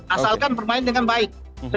asalkan bermain dengan baik